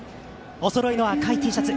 おそろいの赤いＴシャツ